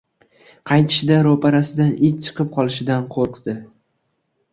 Qaytishida roʻparasidan it chiqib qolishidan qoʻrqdi.